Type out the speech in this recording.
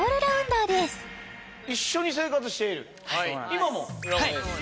今もです